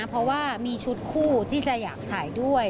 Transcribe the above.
เพราะว่ามีชุดคู่ที่จะอยากถ่ายด้วย